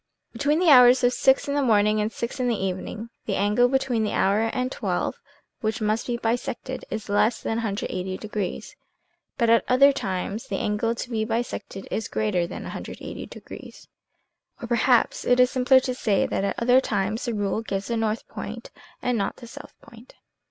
" Between the hours of six in the morning and six in the evening the angle between the hour and XII, which must be bisected is less than 180 degrees, but at other times the angle to be bisected is greater than 180 degrees; or per haps it is simpler to say that at other times the rule gives the north point and not the south point.